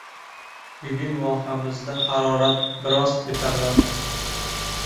Bugun vohamizda harorat biroz koʻtariladi.